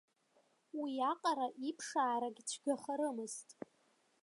Уиаҟара иԥшаарагь цәгьахарамызт.